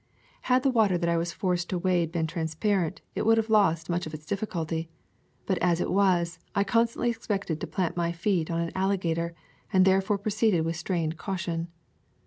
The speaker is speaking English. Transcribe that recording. Had the water that I was forced to wade. been transparent it would have lost much of its difficulty. But as it was, I constantly expected to plant my feet on an alligator, and therefore proceeded with strained caution.